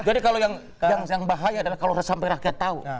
jadi kalau yang bahaya adalah kalau sampai rakyat tau